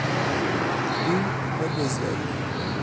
Tu nebeziyayî.